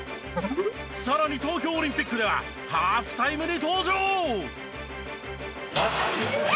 さらに東京オリンピックではハーフタイムに登場！